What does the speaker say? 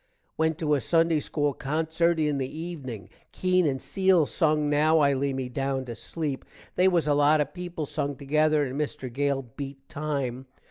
Went to a sunday school concert in the evening. Keene and Cele sung now i lay me down to sleep. they was a lot of people sung together and Mister Gale beat time.